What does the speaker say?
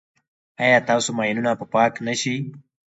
ایا ستاسو ماینونه به پاک نه شي؟